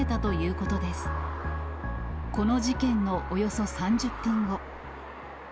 この事件のおよそ３０分後。